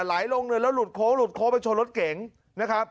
ไหลลงเรือแล้วหลุดโค้งหลุดโค้งไปชนรถเก๋งนะครับ